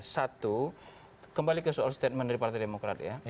satu kembali ke soal statement dari partai demokrat ya